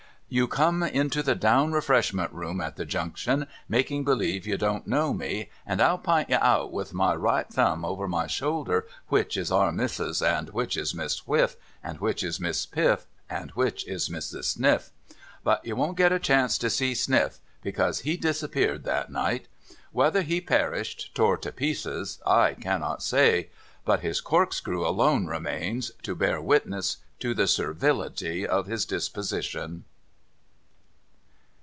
You come into the Down Refreshment Room, at the Junction, making believe you don't know me, and I'll j)int you out with my right thumb over my shoulder which is Our Missis, and which is Ivliss Whiff, and which is Miss Piff, and which is ISIrs. Sniff. But THE SIGNAL MAN ON DUTY 457 you won't get a chance to see Sniff, because he disappeared that night. Whether he perished, tore to pieces, I cannot say ; but his corkscrew alone remains, to bear witness to the servility of his disposition.